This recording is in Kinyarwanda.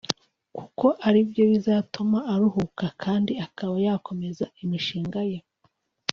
kuko aribyo bizatuma aruhuka kandi akaba yakomeza imishinga ye